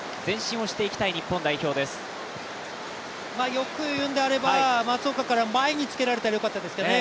欲を言うのであれば、松岡から前につけられたらよかったですね。